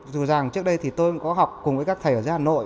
dù rằng trước đây thì tôi cũng có học cùng với các thầy ở gia hà nội